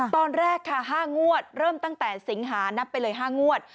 ตอนแรกค่ะ๕งวดเริ่มตั้งแต่สิงหานับไปเลย๕งวด